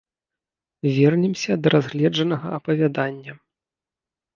Вернемся да разгледжанага апавядання.